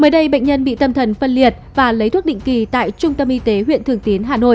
mới đây bệnh nhân bị tâm thần phân liệt và lấy thuốc định kỳ tại trung tâm y tế huyện thường tín hà nội